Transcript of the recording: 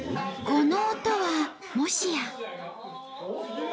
この音はもしや。